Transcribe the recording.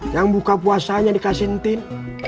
yang buka puasanya dikasih entin